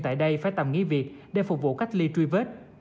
tại đây phải tầm nghỉ việc để phục vụ cách ly truy vết